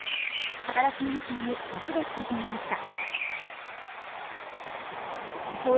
働く皆さんに街で聞いてみました。